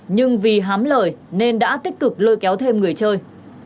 nhưng vì hám lời nên đã tích cực lôi kéo thêm người chơi